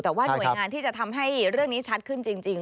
แต่ว่าหน่วยงานที่จะทำให้เรื่องนี้ชัดขึ้นจริง